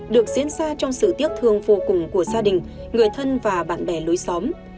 được diễn ra trong sự tiếc thương vô cùng của gia đình người thân và bạn bè lối xóm